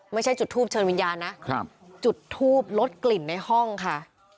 ไม่ใช่จุดทูปเชิญวิญญาณนะครับจุดทูปลดกลิ่นในห้องค่ะ